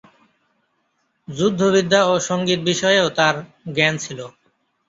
যুদ্ধবিদ্যা ও সঙ্গীত বিষয়েও তাঁর জ্ঞান ছিল।